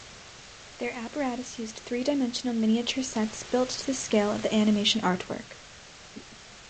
Their apparatus used three-dimensional miniature sets built to the scale of the animation artwork.